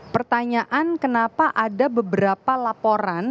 pertanyaan kenapa ada beberapa laporan